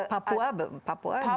papua merupakan salah satu